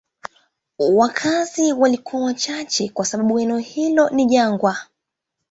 Wakazi walikuwa wachache kwa sababu eneo lote ni jangwa.